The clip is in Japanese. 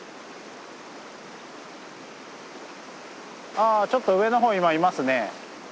あちょっと上の方今いますね！